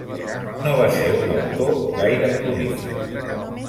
No va ser un autor gaire prolífic.